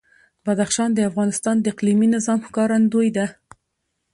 بدخشان د افغانستان د اقلیمي نظام ښکارندوی ده.